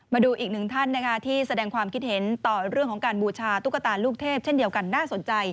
มาดูอีกหนึ่งท่านนะคะที่แสดงความคิดเห็นต่อเรื่องของการบูชาตุ๊กตาลูกเทพเช่นเดียวกันน่าสนใจ